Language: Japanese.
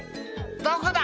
「どこだ？